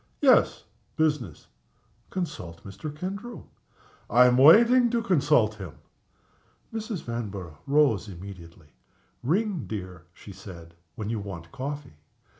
"Yes business." "Consult Mr. Kendrew." "I am waiting to consult him." Mrs. Vanborough rose immediately. "Ring, dear," she said, "when you want coffee."